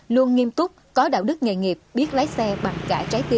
luôn nghiêm túc có đạo đức nghề nghiệp biết lái xe bằng cả trái tim